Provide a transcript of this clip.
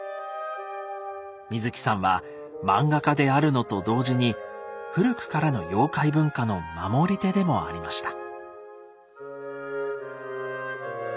水木さんは漫画家であるのと同時に古くからの妖怪文化の守り手でもありました。